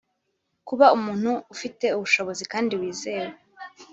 kuba umuntu ufite ubushobozi kandi wizewe